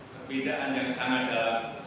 kebedaan yang sangat dalam